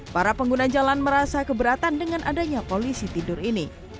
para pengguna jalan merasa keberatan dengan adanya polisi tidur ini